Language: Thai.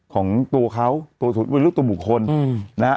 ของตัวเค้าเรื่องของตัวบุคคลอืมนะฮะ